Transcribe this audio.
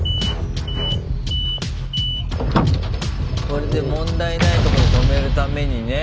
これで問題ないとこに止めるためにね。